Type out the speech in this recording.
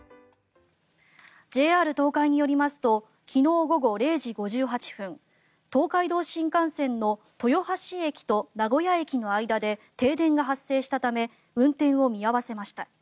ＪＲ東海によりますと昨日午後０時５８分東海道新幹線の豊橋駅と名古屋駅の間で停電が発生したため運転を見合わせました。